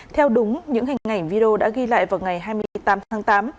theo đúng những hình ảnh video đã ghi lại vào ngày hai mươi tám tháng tám